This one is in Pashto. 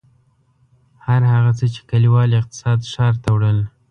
هر هغه څه چې کلیوال اقتصاد ښار ته وړل.